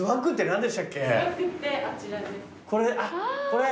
これ？